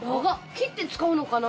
切って使うのかな？